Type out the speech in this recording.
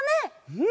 うん！